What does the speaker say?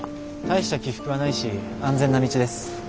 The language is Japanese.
大した起伏はないし安全な道です。